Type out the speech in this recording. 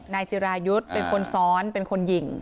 นายจิรายุทธ์เป็นคนซ้อนเป็นคนยิง